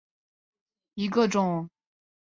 乌来棒粉虱为粉虱科棒粉虱属下的一个种。